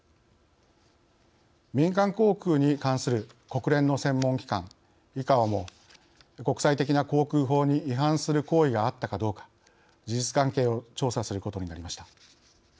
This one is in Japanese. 民間航空に関する国連の専門機関ＩＣＡＯも国際的な航空法に違反する行為があったかどうか事実関係を調査することになりました。